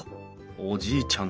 おじいちゃん